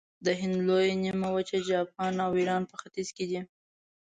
د هند لویه نیمه وچه، جاپان او ایران په ختیځ کې دي.